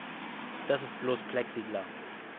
Das ist bloß Plexiglas.